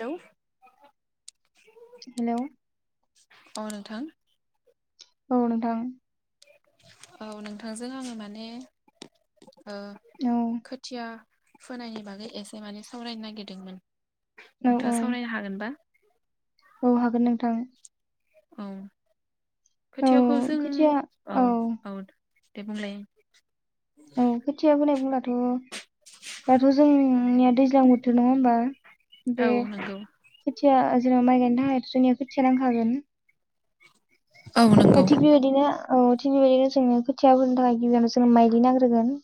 हेल' hello अ नोंथां औ नोंथां औ नोंथांजों आङो माने ओ औ खोथिया फोनायनि बागै एसे माने सावरायनो नागिरदोंमोन औ नोंथाङा औ सावरायनो हागोनबा [inaudible] औ हागोन नोंथां औ औ खोथियाखौ जों खोथिया औ औ दे बुंलाय औ खोथिया फोनाय बुंब्लाथ' दाथ' जोंनिया दैज्लां बोथोर नङा होमबा। औ बे नंगौ खोथिया जेराव माइ गायनो थाखाय जोंनिया खोथिया नांखागोन। औ ओ नंगौ थिग बेबायदिनो औ थिग बेबायदिनो जोङो खोथिया फोनो थाखाय गिबियावनो जोंनो माइलि नांग्रोगोन।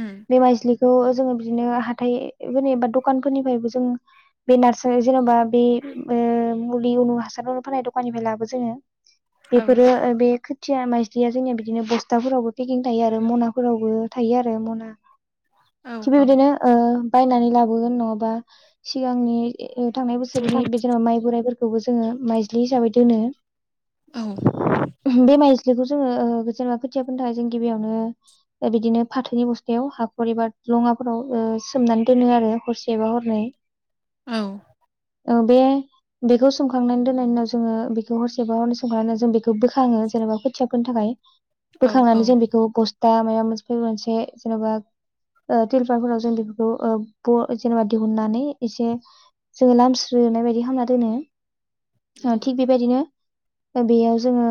उम बे माइज्लिखौ जों बिदिनो हाथाय जेनेबा दकानफोनरिफ्रायबो जों बे नारसारि जेनोबा बे ओ मुलि होनो हासार फाननाय दखाननिफ्राय लाबो जोङो। औ बेफोरो ओ बे खो थिया माइज्लिया जोंनिया बिदिनो बस्थाफोरावबो पेकिं थायो आरो मनाफोरावबो थायो आरो मना औ थिग बेबायदिनो ओ बायनानै लाबोगोन नङाबा सिगांनि इ थांनाय औ बोसोरनि बे जेनेबा माइ बोराइफोरखौबो जोङो माइज्लि हिसाबै दोनो। औ बे माइज्लिखौ जोङो ओ जेनबा खोथियाफोरनि थाखाय जों गिबियावनो बिदिनो फाथोनि बस थायाव हाखर एबा लङाफोराव ओ सोमनानै दोनो आरो हरसे बा हरनै। औ। औ बे बेखौ सोमखांनानै दोननायनि उनाव जोङो बेखौ हरसेबा हरनै सोमखांनानै जों बेखौ बोखाङो जेनेबा खोथिया फोनो थाखाय। औ बोखांनानै जों बेखौ बस्था मायबा मोनसे मोनसे जेन'बा ओ तिलपारफोराव जों बेफोरखौ ओ ब जेनेबा दिहुननानै एसे जोङो लामस्रोनाय बायदि खालामना दोनो। ओ थिग बेबायदिनो बेयाव जोङो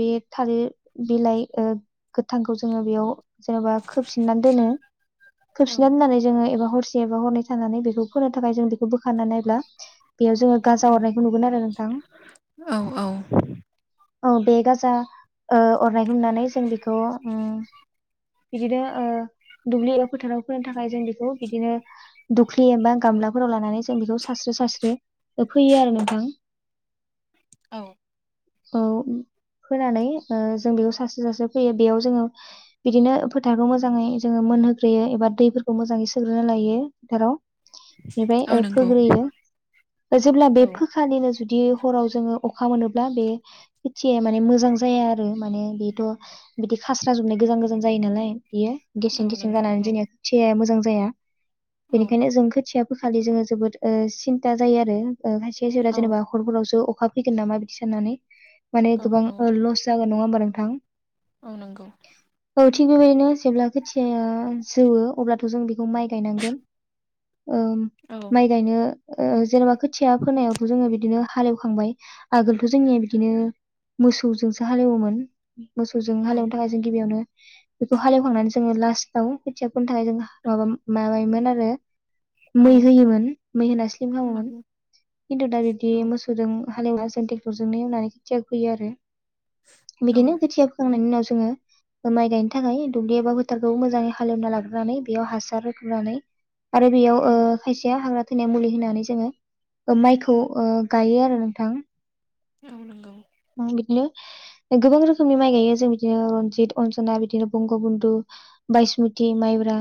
बे थालिर बिलाइ ओ गोथांखौ जोङो बेयाव खोबफिननानै दोनो। खोबफिननानै दोननानै जोङो एबा हरस से बा हरनाय थानानै बेखौ फोनो थाखाय जों बेखौ बोखारनानै नायब्ला बेयाव जोङो गाजा अरनायखौ नुगोन आरो नोंथां। औ औ बे गाजा ओ अरनायखौ नुनानै जों बेखौ उम बिदिनो ओ दुब्लि एबा फोथाराव फोनो थाखाय जों बेखौ बिदिनो दुख्लि एबा गामला फोराव लानानै जों बेखौ सास्रो सास्रो फोयो आरो नोंथां। औ। औ। फोनानै ओ जों बेखौ सास्रो सास्रो फैयो। बेयाव जोङो बिदिनो फो थारखौ मोजाङै जोङो मोनहोग्रोयो एबा दैफोरखौ मोजाङै सोग्रोनो लायो फोथाराव। बेबाय औ ओ नंगौ फोग्रोयो। जेब्ला औ बे फोखालिनो जुदि हराव जोङो अखा मोनोब्ला बे खोथिया माने मोजां जाया आरो माने बेथ' बिदि खास्रा जोबनाय गोजान गोजान जायो नालाय। बियो औ गेसें गेसें नंगौ जानानै औ जोंनिया खोथियाया मोजां जाया। औ बेनिखायनो जों खोथिया फोखालि जोङो जोबोद ओ सिनता जायो आरो ओ खायसे खायसेफोरा औ जेनेबा हरफोरावसो अ खा फैगोन नामा बिदि साननानै माने औ गोबां औ लस जागोन नङा होमबा नोंथां। औ नंगौ। औ थिग बेबायदिनो जेब्ला खोथियाया जौवो अब्लाथ' जों बे खौ माइ गायनांगोन। ओम औ माइ गायनो ओ जेनेबा खोथिया फोनायावथ' जोङो बिदिनो हालेवखांबाय आगोलथ' जोंनिया बिदिनो मोसौजोंसो हालेवोमोन। मोसौजों औ हालेवनो थाखाय जों गिबियावनो बेखौ हालिवखांनानै जोङो लास्टाव खोथिया फोनो थाखाय जों माबा माबायोमोन आरो मै औ होयोमोन मै होना स्लिम खामोमोन। नंगौ खिन्थु दा बिब्दि औ मोसौजों हालेवा जों ट्रेक्टरजोंनो एवनानै खोथिया फोयो आरो औ बिदिनो खोथिया फोखांनायनि उनाव जोङो माइ गायनो थाखाय दुब्लि एबा फोथारखौ मोजाङै हालेवना लाग्रोनानै बेयाव हासार होग्रोनानै आरो बेयाव औ ओ खायसेया हाग्रा थैनाय मुलि होनानै जोङो ओ माइखौ ओ गायो आरो नोंथां। औ नंगौ। बिदिनो गोबां रोखोमनि माइ गायो जों बिदिनो रनजित अनजना बिदिनो बंगबन्धु बायसमति माइ ब्रा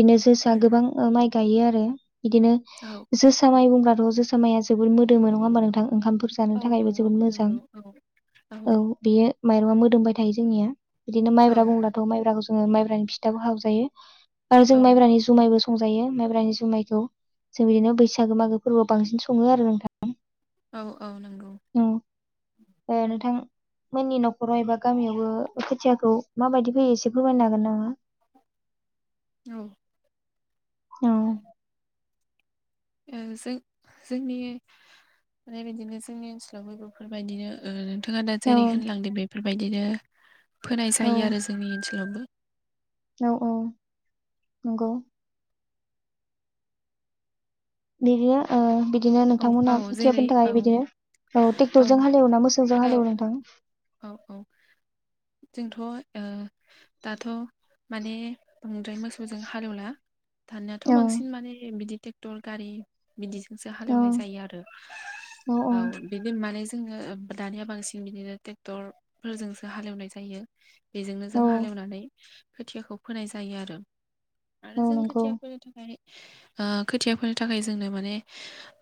बिनो जोसा उम गोबां ओ माइ गायो आरो इदिनो औ जोसा माइ बुं बाथ' जोसा माइया जोबोद मोदोमो नङा होमबा नोंथां ओंखामफोर जानो औ थाखायबो नंगौ जोबोद मोजां। नंगौ औ औ बेयो माइरंआ मोदोमबाय थायो जोंनिया बिदिनो औ माइब्रा बुंब्लाथ' माइब्राखौ जोङो माइब्रानि फिथाबो हावजायो आरो जों औ माइब्रानि जुमायबो संजायो माइब्रानि जुमायखौ जों बिदिनो बैसागो मागो फोरबोआव बांसिन सङो आरो नोंथां। औ औ नोंगौ ए नोंथां मोननि न'खराव एबा गामियावबो खोथियाखौ माबायदि फैयो एसे फमायनो हागोन नामा? औ औ ओ जों जोंनि फ्राय बिदिनो जोंनि ओनसोलावबो बेफोरबायदिनो ओ नोंथाङा दा औ जेरै होनलांदों बेफोरबायदिनो फोनाय औ जायो आरो जोंनि ओनसोलावबो। औ औ नंगौ बिदिनो ओ बि दिनो औ नोंथांमोनहा औ जेरै खोथिफोनो औ थाखाय बिदिनो औ औ ट्रेक्टरजों हाल एवो ना मोसौजों औ हाल एवो नोंथां? औ औ जोंथ' ओ दाथ' माने बांद्राय मोसौजों हालौला। दानियानाथ' औ बांसिन माने बिदि ट्रेक्टर गारि बिदि जों औ हालौवनाय जायो आरो औ बिदि माने जोङो दानिया बांसिन बिदिनो ट्रेक्टर फोरजोंसो हाल एवनाय जायो। बिजोंनो जों औ हाल एवनानै खोथियाखौ फोनाय जायो आरो। आरो औ जों नंगौ खोथियाफोरनि थाखाय ओ खोथियाफोरनि थाखाय जोंनो माने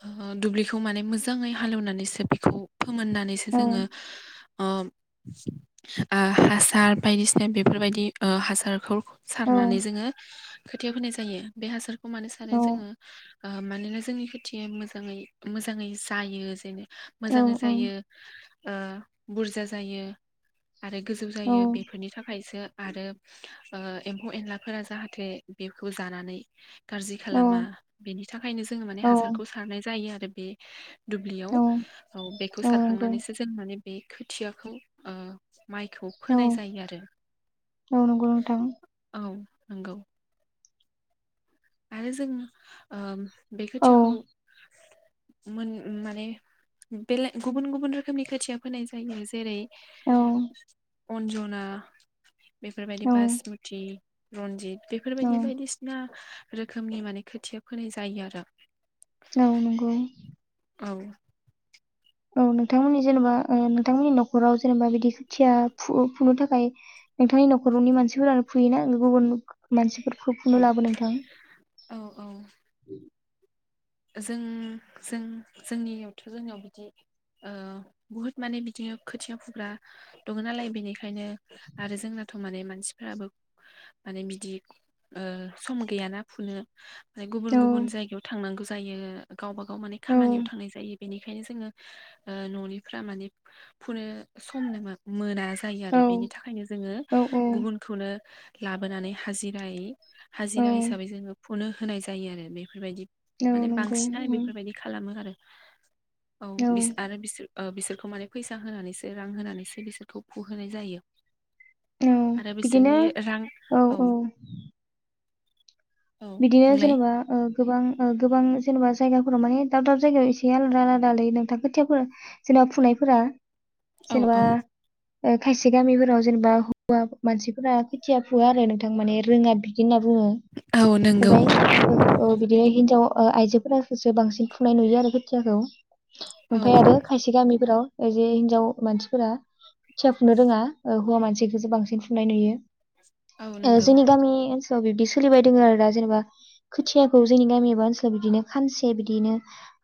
ओ दुब्लिखौ माने मोजाङै हालेवनानैसो बेखौ फोमोननानैसो औ जोङो अ ओ हासार बायदिसिना बेफोरबायदि ओ हासारखौ औ सारनानै जोङो खोथिया फोनाय जायो बे हासारखौ मानो सारो औ जोङो ओ मानोना जोंनि खोथिया मोजाङै मोजाङै जायो जेनेबा औ मोजांङै जायो ओ बुरजा जायो। आरो गोजौ औ जायो बेफोरनि थाखायसो आरो ओ एम्फौ एनलाफोरा जाहाथे बेखौ जानानै गाज्रि औ खालामा बिनि थाखायनो जोङो माने औ हासारखौ सारनाय जायो आरो बे दुब्लियाव औ औ बेखौ सारखांनानैसो जों माने बे खोथियाखौ ओ माइखौ औ फोनाय जायो आरो औ नंगौ नोंथां औ नंगौ। आरो जों ओ बे औ खोथियाखौ मोन माने बेले गुबुन गुबुन रोखोमनि खोथिया फोनाय जायो जेरै औ अन्जना बेफोरबायदि औ बासमति रनजित बेफोरबायदि बायदिसिना रोखोमनि माने खोथिया फोनाय जायो आरो। औ नंगौ औ औ नोंथांमोननि जेनेबा ओ नोंथांमोननि न'खराव जेनेबा बिदि खोथिया फु-फुनो थाखाय नोंथांनि न'खरनि मानसिफोरानो फुयोना गुबुन मानसिफोरखौ औ फुनो लाबो नोंथां? औ औ जों जों जोंनियावथ' जोंनियाव बिदि ओ बुहुद माने बिदिनो खोथिया फुग्रा दङ नालाय बेनि खायनो आरो जोंनाथ' सम माने मानसिफ्राबो माने बिदि ओ सम गैयाना फुनो गुबुन औ गुबुन जायगायाव थांनांगौ जायो गावबा गाव माने औ खामानियाव थांनाय जायो। बेनिखायनो जोङो ओ न'निफ्रा माने फुनो सम मोना जायो औ आरो बेनि थाखायनो जोङो औ गुबुनखौनो लाबोनानै हाजिरायै औ हाजिरा हिसाबै जोङो फुनो होनाय जायो आरो बेफोरबायदि औ माने नंगौ बांसिनानो औ बेफोरबायदि खालामो आरो। औ बिस आरो बिसोर बिसोरखौ माने फैसा होनानैसो रां होनानैसो बिसोरखौ फुहोनाय जायो। औ आरो बिदिनो बिसोरनि रां औ औ। औ बिदिनो बुंलाय जेनेबा गोबां गोबां जेनेबा जायगाफ्राव माने दाब दाब जायगायाव एसे आलादा आलादालै नोंथां खोथियाफोर [unintelligible] [unintelligible] फुनायफोरा औ औ जेनेबा खायसे गामिफोराव जेनेबा हौवा मानसिफोरा खोथिया फुवा आरो नोंथां माने रोङा बिदि होन ना बुंङो औ नंगौ ओमफ्राय बिदिनो हिनजाव आइजोफोरासो बांसिन फुंनाय नुयो आरो खोथियाखौ। औ ओमफ्राय आरो खायसे गामिफोराव ओ जे हिनजाव मानसिफोरा खोथिया फुनो रोङा हौवा मानसिखौसो बांसिन फुनाय नुयो। औ नंगौ जोंनि गामि ओनसोलाव बिबदि सोलिबाय दङ आरो दा जेनेबा खोथियाखौ जोंनि गामि एबा ओनसोलाव बिदिनो खानसे बिदिनो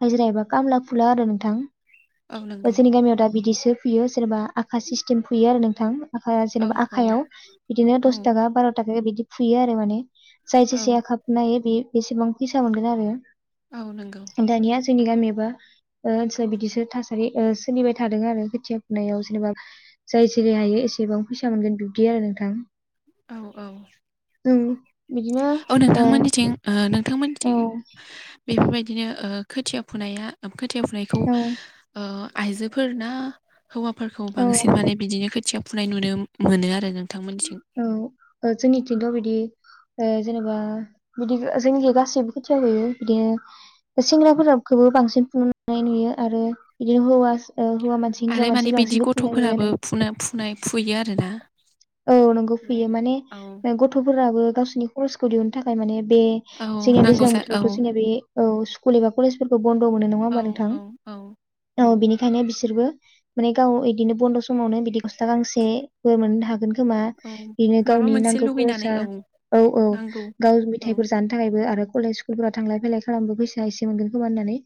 हजिरा एबा खामला फुला आरो नोंथां। औ नंगौ जोंनि गामियाव दा बिदिसो फुयो सोरबा आखा सिस्टेम फुयो आरो नोंथां। आखा औ जेनेबा औ आखायाव बिदिनो औ दस थाखा बार' थाखा बिदि फुयो आरो माने जाय औ जेसे हाबनाय बे बेसेबां फैसा मोनगोन आरो औ नंगौ। दानिया जोंनि गामिबा ओनसोलाव बिदिसो थासारि सोलिबाय थादों आरो खोथिया फुनायाव जेनेबा जाय जेरै हायो बेसेबां फैसा मोनगोन बिब्दि आरो नोंथां। औ औ जों बिदिनो औ नों ओ थांमोननिथिं नोंथांमोननिथिं औ बेफोरबायदिनो खोथिया फुनाया खोथिया फुनायखौ औ आइजोफोरना हौवाफोरखौ औ बांसिन माने बिदिनो खोथिया फुनाय नुनो मोनो आरो नोंथांमोननिथिं? औ जोंनिथिंथ' बिदि जेनेबा बिदि जोंनियाव गासैबो खोथिया फुयो बिदिनो सेंग्राफोराखौबो बांसिन [unintelligible] नुयो आरो बिदिनो हौवा ओ हौवा मानसि हिनजाव आरो माने मानसि बिदि बांसिनखौ फुनाय नुयो गथ'फोराबो आरो फुनाय फुनाय फुयो आरोना। औ नंगौ फुयो माने ओमफ्राय औ गथ'फोराबो गावसोरनि खरसखौ दिहुननो थाखाय माने बे औ जोंनिया नांगौ दैज्लां जा औ बोथोरावथ' जोंनिया बे स्कुल एबा कलेजफोरखौ बन्द' मोनो नङा औ होमबा नोंथां औ औ औ बिनिखायनो बिसोरबो माने गाव इदिनो बन्द' समावनो बिदि गस्ला गांसेबो मोननो हागोन खोमा औ बिनो माबा गावनि मोनसे नांगौ लुबैनानै खरसा औ औ औ नांगौ गाव औ मेथायफोर जानो थाखायबो आरो कलेज स्कुलफोराव थांलाय फैलाय खालामनो फैसा एसे मोनगोन खोमा होननानै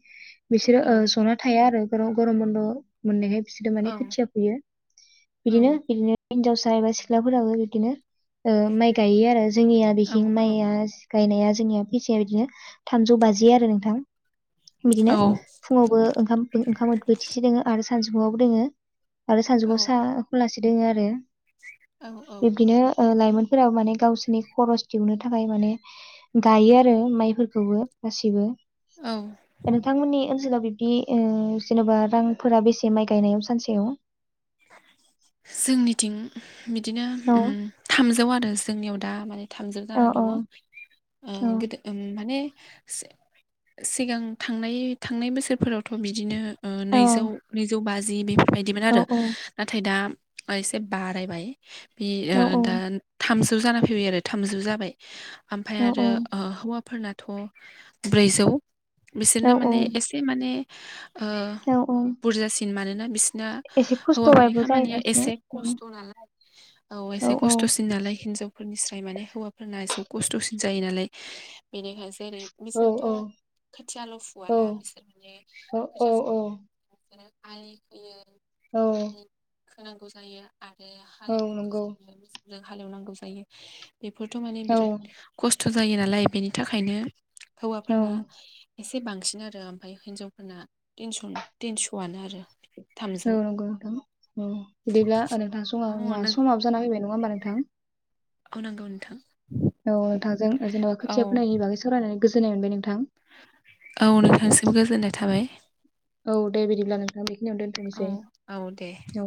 बिसोरो औ जना थाया आरो गरम बन्द' मोननायखाय बिसोरो माने औ खोथिया फुयो औ बिदिनो बिदिनो हिनजावसा एबा सिख्लाफोराबो बिदिनो माइ गायो आरो जोंनिया औ बिथिं माइआ गायनाया जोंनिया फैसाया बिदिनो थामजौ बाजि आरो नोंथां। बिदिनो फुङावबो ओंखाम ओंखाम बोथिसे दोङो आरो सानजुफुआवबो दोङो आरो सानजौफु औ सा [unintelligible] दोङो आरो। औ औ लाइमोनफोरा माने गावसोरनि खरस दिहनो थाखाय माने गायो आरो माइफोरखौबो। गासैबो औ नोंथांमोननि ओन सोलाव बिब्दि जेनेबा रांफोरा बेसे माइ गायनायाव सानसेयाव? जोंनिथिं बिदिनो औ थामजौ आरो जोंनियाव दा माने थामजों औ जाना दङ ओ औ गोदो उम माने सिगां थांनाय थांनाय बोसोरफोरावथ' बिदिनो ओ औ नैजौ नैजौ बाजि बेफोरबायदिमोन औ आरो नाथाय दा एसे बारायबाय बि ओ औ दा थामजौ जाना फैबाय आरो थामजौ जाबाय। ओमफ्राय आरो हौवाफोरनाथ' ब्रैजौ औ बिसोरना माने एसे माने ओ औ औ बुरजासिन मानोना बिसिनि एसे हौवाफोरनि खस्थ'बाबो खामानिया जाहैगासिनो एसे औ खस्थ' नालाय औ एसे खस्थ'सिन नालाय हिनजाव फोरफोरनिस्राय माने हौवाफोरना एसे खस्थ'सिन जायो नालाय बेनिखायनो जेरै औ बिसोरथ' खोथियाल' फुवाना बिसोर माने औ खोथिया फु आय होयो औ। होनांगौ जायो आरो औ हालेवनांगौ नंगौ जायो मिचिनजों हालेवनांगौ जायो बेफोरथ' माने औ बिराद खस्थ' जायो नालाय बेनि थाखायनो औ हौवाफोरना एस से बांसिन आरो ओमफाय हिनजावफोरना थिनस'न थिनस'आनो आरो थामजौ नंगौ नोंथां औ बिदिब्ला ओ नोंथां अ नों समाबो जाना फैबाय नङा होबा नोंथां? औ नंगौ नोंथां। औ नोंथांजों ओ जेनेबा औ खोथिया फुनायनि बागै सावरायनानै गोजोननाय मोनबाय नोंथां। औ नोंथांसिम गोजोननाय थाबाय। औ दे बिदिब्ला नोंथां बेखिनियावनो औ दोनथ'नोसै औ दे औ।